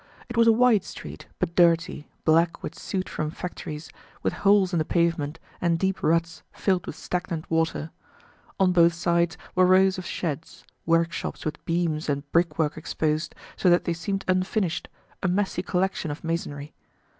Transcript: It was a wide street, but dirty, black with soot from factories, with holes in the pavement and deep ruts filled with stagnant water. On both sides were rows of sheds, workshops with beams and brickwork exposed so that they seemed unfinished, a messy collection of masonry.